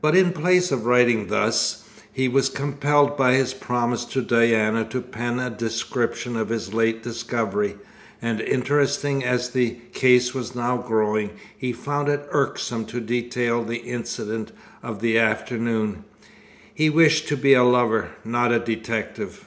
But in place of writing thus, he was compelled by his promise to Diana to pen a description of his late discovery, and interesting as the case was now growing, he found it irksome to detail the incident of the afternoon. He wished to be a lover, not a detective.